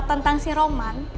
tentang si roman